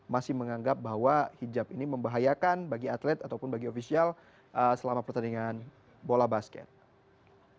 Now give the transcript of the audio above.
masih menganggap bahwa hijab ini membahayakan bagi atlet ataupun bagi ofisial selama pertandingan bola basket